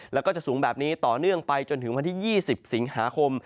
แล้วก็จะสูงแบบนี้ต่อเนื่องไปจนถึงวันที่๒๐สิงหาคม